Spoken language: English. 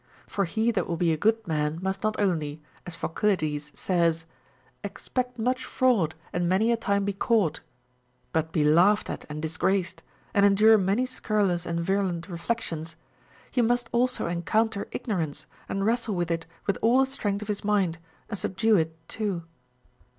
For he that will be a good man must not only, as Phocylides says, — 462 OF HEARING. Expect much fraud, and many a time be caught, — but be laughed at and disgraced, and endure many scurrilous and virulent reflections ; he must also encounter ignorance and wrestle with it with all the strength of his mind, and subdue it too.